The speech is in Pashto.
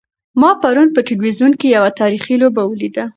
ما پرون په تلویزیون کې یوه تاریخي لوبه ولیده.